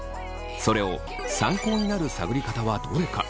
それを参考になる探り方はどれか？